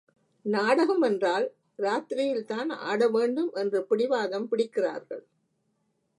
நாடகம் என்றால் இராத்திரியில்தான் ஆடவேண்டும்! என்று பிடிவாதம் பிடிக்கிறார்கள்.